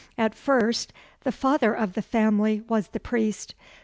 At first the father of the family was the priest.